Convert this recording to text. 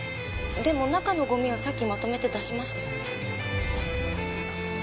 でも中のごみはさっきまとめて出しましたよ。